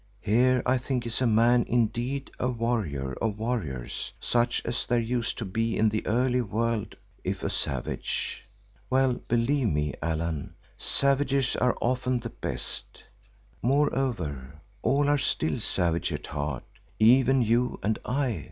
Here I think is a man indeed, a warrior of warriors such as there used to be in the early world, if a savage. Well, believe me, Allan, savages are often the best. Moreover, all are still savage at heart, even you and I.